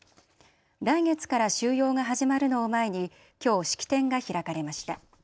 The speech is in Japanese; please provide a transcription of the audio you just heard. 来月から収容が始まるのを前にきょう、式典が開かれました。